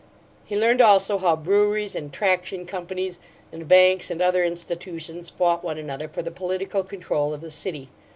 He learned also how breweries and "traction" companies and banks and other institutions fought one another for the political control of the city.